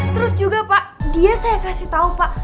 terus juga pak dia saya kasih tahu pak